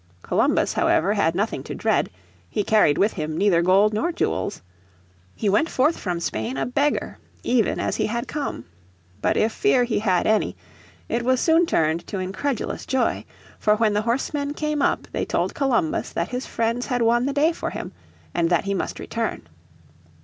Columbus, however, had nothing to dread: he carried with him neither gold nor jewels. He went forth from Spain a beggar, even as he had come. But if fear he had any, it was soon turned to incredulous joy. For when the horsemen came up they told Columbus that his friends had won the day for him, and that he must return.